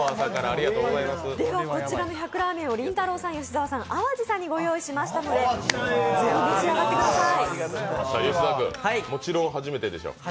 こちらの１００ラーメンをりんたろーさん、吉澤さん淡路さんに御用意しましたのでぜひ召し上がってください。